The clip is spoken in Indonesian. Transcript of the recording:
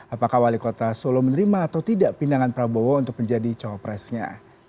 apakah wali kota solo menerima atau tidak pindangan prabowo untuk menjadi co presnya